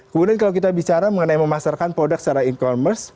kemudian kalau kita bicara mengenai memasarkan produk secara e commerce